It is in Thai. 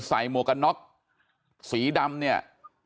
ใส่หมวกน็อคสีดำเนี่ย